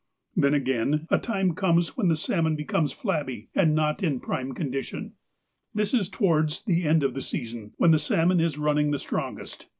Then, again, a time comes when the salmon becomes 1 THE METLAKAHTLA INDUSTRIES 355 flabby, and not in prime condition. This is towards the end of the season, when the salmon is running the strongest.